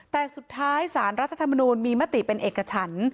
แต่สุดท้ายสารรัฐธรรมนูลมีมติเป็นเอกฉัน